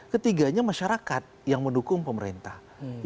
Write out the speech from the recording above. ketiganya masyarakat yang mendukung pemerintah